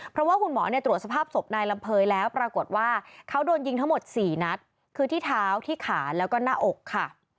เพราะว่าคุณหมอตรวจสภาพศพนายลำเภยแล้วปรากฏว่าเขาโดนยิงทั้งหมด๔นัดคือที่เท้าที่ขาแล้วก็หน้าอกค่ะ